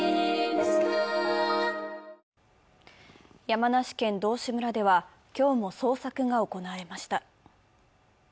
山梨県道志村では、今日も捜索が行われました。